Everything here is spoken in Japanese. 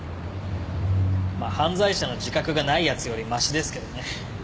まあ犯罪者の自覚がない奴よりマシですけどね。